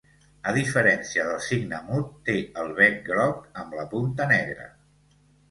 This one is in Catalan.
A diferència del cigne mut, té el bec groc amb la punta negre.